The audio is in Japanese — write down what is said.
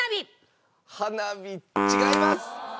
花火違います。